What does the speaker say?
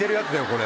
これ。